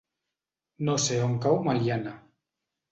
No sé on cau Meliana.